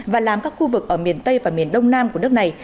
và làm các khu vực ở miền tây và miền đông nam của nước này